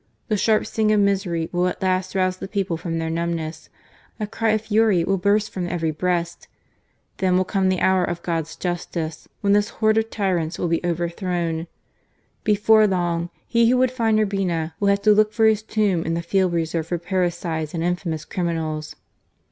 " The sharp sting of misery will at last rouse the people from their numbness, a cry of fury will burst from every breast. Then will come the hour of God's justice when this horde of tyrants will be over thrown. Before long, he who would find Urbina, will have to look for his tomb in the field reserved for parricides and infamous criminals."